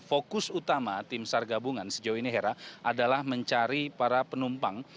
fokus utama tim sar gabungan sejauh ini hera adalah mencari para penumpang